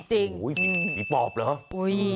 จริงหลีบปอบเหรอโอ้โฮ